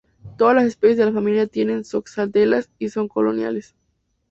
Todas las especies de la familia tienen zooxantelas y son coloniales.